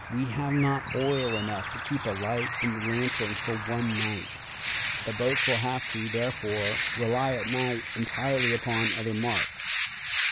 "We have not oil enough to keep a light in the lantern for one night. The boats will have to, therefore, rely at night entirely upon other marks.